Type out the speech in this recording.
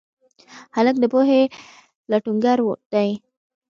هلک د پوهې لټونګر دی.